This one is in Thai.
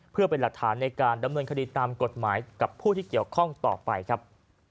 เพื่อเป็นหลักฐานในการดำเนินคดีตามกฎหมายกับผู้ที่เกี่ยวข้องต่อไปครับ